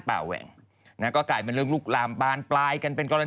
แหว่งนะก็กลายเป็นเรื่องลุกลามบานปลายกันเป็นกรณี